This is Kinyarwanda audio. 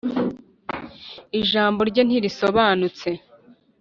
ijamborye ntirisobanutse